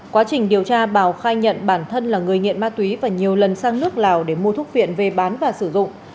quá trình điều tra bảo khai nhận bản thân là người nghiện ma túy và nhiều lần sang nước lào để mua thuốc viện về bán và sử dụng